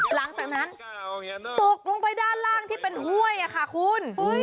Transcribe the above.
หลังจากนั้นตกลงไปด้านล่างที่เป็นห้วยค่ะคุณ